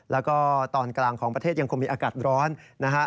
แล้วก็ตอนกลางของประเทศยังคงมีอากาศร้อนนะฮะ